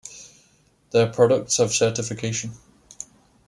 Their products have certification.